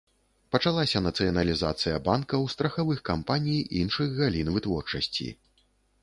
Пачалася нацыяналізацыя банкаў, страхавых кампаній, іншых галін вытворчасці.